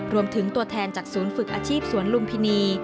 รวมถึงตัวแทนจากศูนย์ฝึกอาชีพสวนลุมพินี